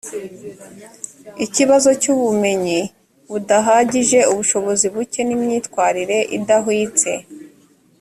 ikibazo cy ubumenyi budahagije ubushobozi buke n imyitwarire idahwitse